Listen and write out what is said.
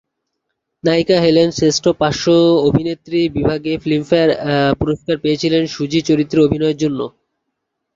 নায়িকা হেলেন শ্রেষ্ঠ পার্শ্ব অভিনেত্রী বিভাগে ফিল্মফেয়ার পুরস্কার পেয়েছিলেন 'সুজি' চরিত্রে অভিনয়ের জন্য।